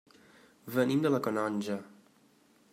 Venim de la Canonja.